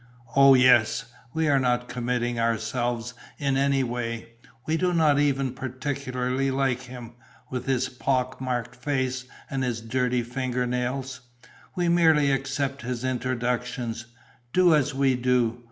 "Oh, yes! We are not committing ourselves in any way. We do not even particularly like him, with his pock marked face and his dirty finger nails. We merely accept his introductions. Do as we do.